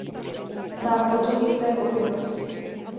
Mám o tom jisté pochybnosti.